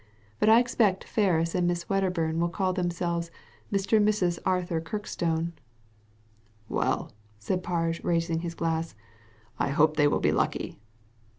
But I expect Ferris and Miss Wedderbum will call themselves Mr. and Mrs. Arthur Kirkstone." " Well," said Parge, raising his glass, " I hope they will be lucky."